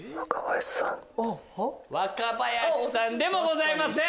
若林さんでもございません。